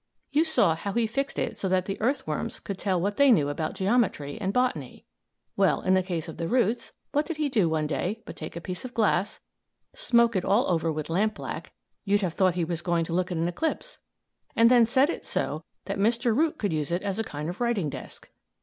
You saw how he fixed it so that the earthworms could tell what they knew about geometry and botany. Well, in the case of the roots, what did he do one day but take a piece of glass, smoke it all over with lampblack you'd have thought he was going to look at an eclipse and then set it so that Mr. Root could use it as a kind of writing desk.